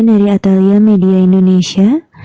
dari atelier media indonesia